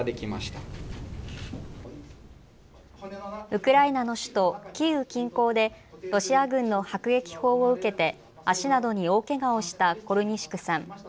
ウクライナの首都キーウ近郊でロシア軍の迫撃砲を受けて足などに大けがをしたコルニシュクさん。